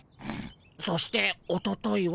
そしておとといは。